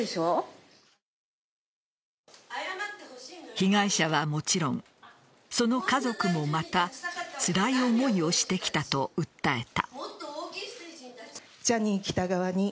被害者はもちろんその家族もまたつらい思いをしてきたと訴えた。